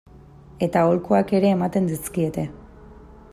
Eta aholkuak ere ematen dizkiete.